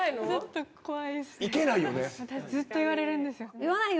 だって、ずっと言われるんですよね？